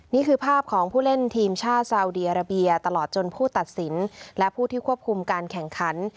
นี่คือภาพของผู้เล่นทีมชาติซาวดีอาราเบียตลอดจนผู้ตัดสินและผู้ที่ควบคุมการแข่งขัน